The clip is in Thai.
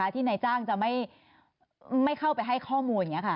ที่นายจ้างไม่เข้าไปให้ข้อมูล